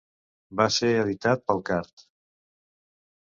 Va ser editat pel card.